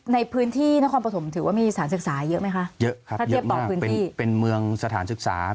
ในพื้นที่นครปฐมถือว่ามีสถานศึกษาเยอะไม่คะ